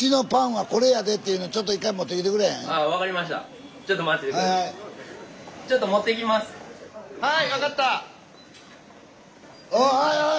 はい！